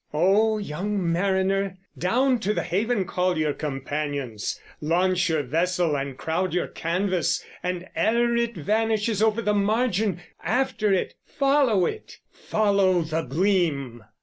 ....... O young Mariner, Down to the haven Call your companions, Launch your vessel, And crowd your canvas, And, ere it vanishes Over the margin, After it, follow it, Follow The Gleam.